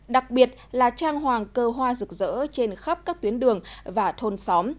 đặc biệt là trang hoàng cơ hoa rực rỡ trên khắp các tuyến đường và thôn xóm